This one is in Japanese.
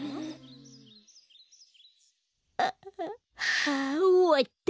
はあおわった。